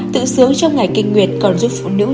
tự xướu trong ngày kinh nguyệt còn giúp phụ nữ